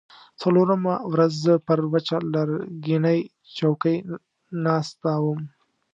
څلورمه ورځ زه پر وچه لرګینۍ څوکۍ ناسته وم.